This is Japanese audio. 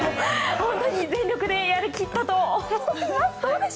本当に全力でやり切ったと思います。